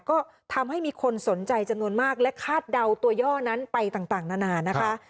ก็ทำให้มีคนสนใจจำนวนมากและคาดเดาตัวย่อนั้นไปต่างนานานะคะ